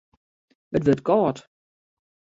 It wurdt kâld.